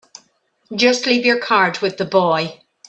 Just leave your card with the boy.